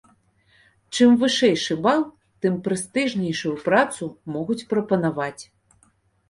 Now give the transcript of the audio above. Чым вышэйшы бал, тым прэстыжнейшую працу могуць прапанаваць.